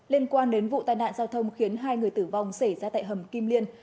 liên quan đến vụ tai nạn giao thông khiến hai người tử vong xảy ra tại hầm kim liên